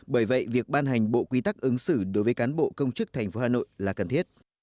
bởi vậy việc ban hành bộ quy tắc ứng xử đối với cán bộ công chức tp hà nội là cần thiết